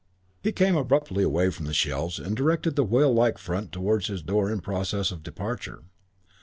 He came abruptly away from the shelves and directed the whale like front towards his door in process of departure.